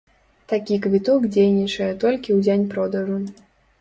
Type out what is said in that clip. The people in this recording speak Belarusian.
Такі квіток дзейнічае толькі ў дзень продажу.